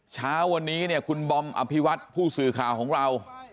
เช้าวันนี้เนี่ยคุณบอมอภิวัตผู้สื่อข่าวของเรา